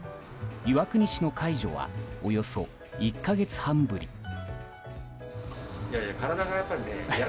岩国市の解除はおよそ１か月半ぶり。